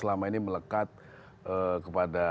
lama ini melekat kepada